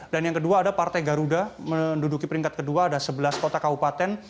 dan yang kedua ada partai garuda menduduki peringkat kedua ada sebelas kota kau paten